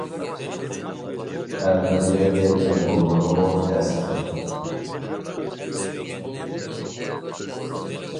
ھەم بىر يەرگە جەم بولمىقىمۇ تەس ئىكەن.